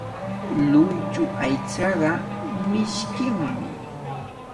Lluychu aychaqa mishkinmi.